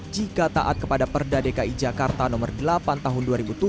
jika taat kepada perda dki jakarta nomor delapan tahun dua ribu tujuh